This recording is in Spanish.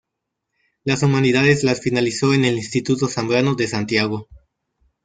Las humanidades las finalizó en el Instituto Zambrano de Santiago.